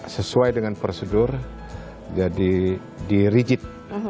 sesuai dengan prosedur jadi di rigid